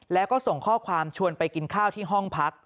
แล้วก็ส่งข้อความชวนไปกินข้าวที่ห้องพัก